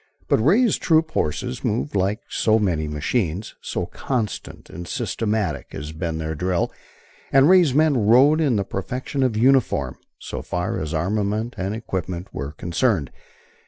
But Ray's troop horses moved like so many machines, so constant and systematic had been their drill; and Ray's men rode in the perfection of uniform, so far as armament and equipment were concerned.